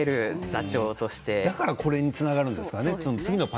だからこれにつながるんですかね。